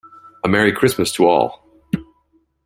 A Merry Christmas to all!